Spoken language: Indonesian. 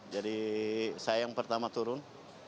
saya yang pertama turun